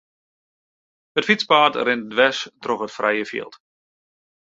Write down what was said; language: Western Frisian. It fytspaad rint dwers troch it frije fjild.